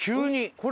これ。